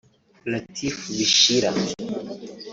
Latif Bishira